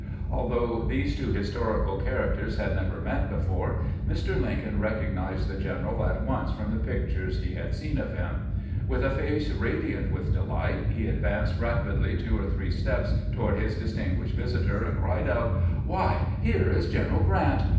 Although these two historical characters had never met before, Mr. Lincoln recognized the general at once from the pictures he had seen of him. With a face radiant with delight, he advanced rapidly two or three steps toward his distinguished visitor, and cried out: "Why, here is General Grant!